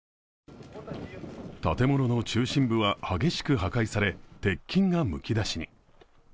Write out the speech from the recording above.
建物の中心部は激しく破壊され、鉄筋がむき出しに。